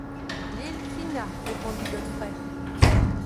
L’île Phina... répondit Godfrey.